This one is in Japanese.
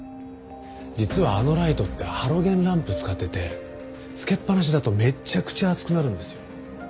実はあのライトってハロゲンランプ使っててつけっぱなしだとめちゃくちゃ熱くなるんですよ。